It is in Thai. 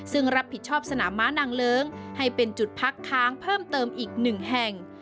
ซึ่งรับผิดชอบสนามม้านางเลิ้งให้เป็นจุดพักค้างเพิ่มเติมอีกหนึ่งแห่ง